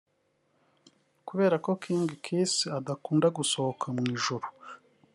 Kubera ko King Kc adakunda gusohoka mu ijoro